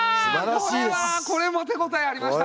これはこれも手応えありました。